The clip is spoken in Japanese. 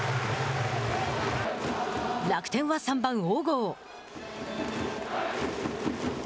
楽天は三番小郷。